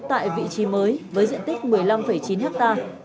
tại vị trí mới với diện tích một mươi năm chín hectare